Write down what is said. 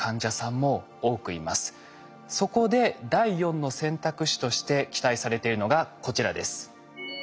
そこで第４の選択肢として期待されているのがこちらです。